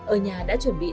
ở nhà đã chuẩn bị sáng